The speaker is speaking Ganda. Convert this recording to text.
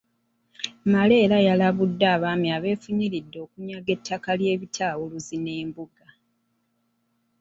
Male era yalabudde Abaami abeefunyiridde okunyaga ettaka ly’ebitawuluzi n’embuga.